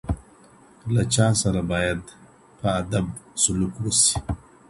له چا سره بايد په ادب سلوک وسي؟